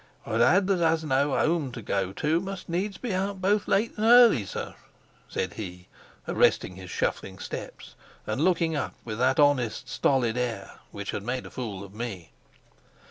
"A lad that has no home to go to must needs be out both late and early, sir," said he, arresting his shuffling steps, and looking up with that honest stolid air which had made a fool of me.